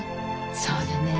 そうだね。